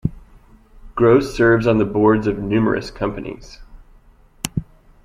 Gross serves on the boards of numerous companies.